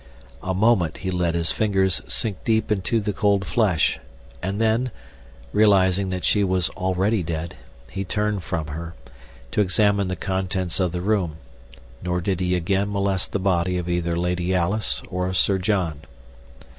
A moment he let his fingers sink deep into the cold flesh, and then, realizing that she was already dead, he turned from her, to examine the contents of the room; nor did he again molest the body of either Lady Alice or Sir John.